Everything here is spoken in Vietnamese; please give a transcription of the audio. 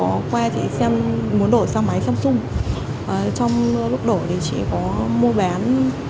hôm qua thì xem muốn đổ sang máy samsung trong lúc đổ thì chỉ có mua bán